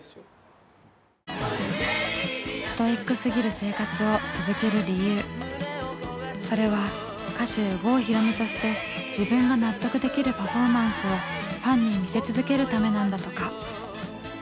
時間なくてもそれは歌手「郷ひろみ」として自分が納得できるパフォーマンスをファンに見せ続けるためなんだとか。